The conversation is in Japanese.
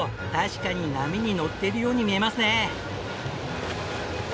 確かに波に乗っているように見えますね。